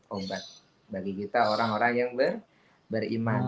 obat bagi kita orang orang yang beriman